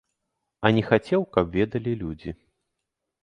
А не хацеў, каб ведалі людзі.